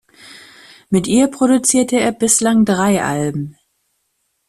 Mit ihr produzierte er bislang drei Alben.